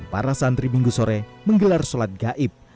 para santri minggu sore menggelar sholat gaib